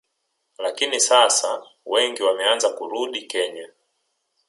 Lakini sasa wengi wameanza kurudi Kenya